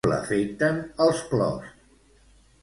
Com l'afecten els plors?